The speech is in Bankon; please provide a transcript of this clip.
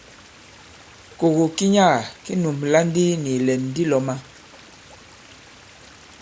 Kògò ki nyaga ki nùmblà ndi nì ìlɛ̀n di lɔ̄mā.